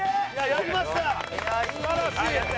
やりました！